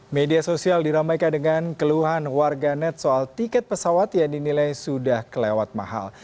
media sosial diramaikan dengan keluhan warga net soal tiket pesawat yang dinilai sudah kelewat mahal